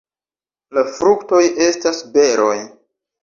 La fruktoj estas beroj.